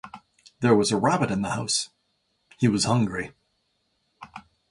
There was a rabbit in the house. He was hungry.